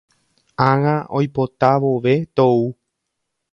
Ág̃a oipota vove tou